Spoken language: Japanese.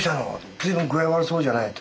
随分具合悪そうじゃない」って。